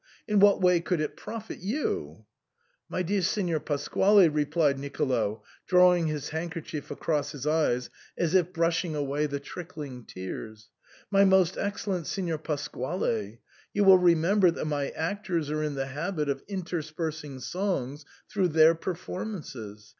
In what way could it profit you ?"" My dear Signor Pasquale," replied Nicolo, drawing his handkerchief across his eyes, as if brushing away the trickling tears, "my most excellent Signor Pas quale, you will remember that my actors are in the habit of interspersing songs through their perform ances.